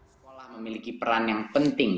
sekolah memiliki peran yang penting